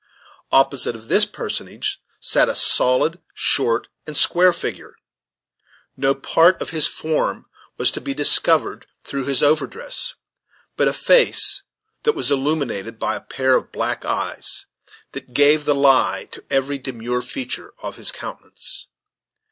Opposite to this personage sat a solid, short, and square figure. No part of his form was to be discovered through his overdress, but a face that was illuminated by a pair of black eyes that gave the lie to every demure feature in his countenance.